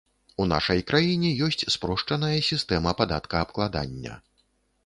У нашай краіне ёсць спрошчаная сістэма падаткаабкладання.